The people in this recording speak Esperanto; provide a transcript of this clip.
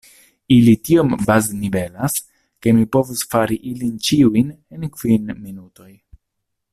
Ili tiom baznivelas, ke mi povus fari ilin ĉiujn en kvin minutoj.